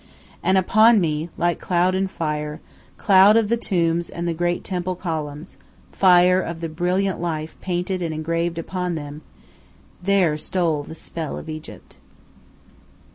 And upon me, like cloud and fire cloud of the tombs and the great temple columns, fire of the brilliant life painted and engraved upon them there stole the spell of Egypt.